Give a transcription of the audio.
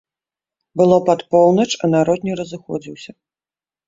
Было пад поўнач, а народ не разыходзіўся.